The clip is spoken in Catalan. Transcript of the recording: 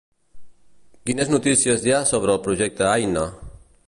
Quines notícies hi ha sobre el projecte Aina?